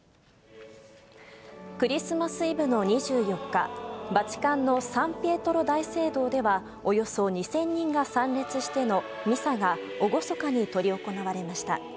クリスマスイブの２４日、バチカンのサンピエトロ大聖堂では、およそ２０００人が参列してのミサが、厳かに執り行われました。